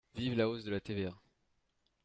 Vive la hausse de la TVA